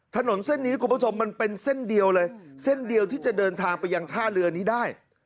ถนนเส้นนี้คุณผู้ชมมันเป็นเส้นเดียวเลยเส้นเดียวที่จะเดินทางไปยังท่าเรือนี้ได้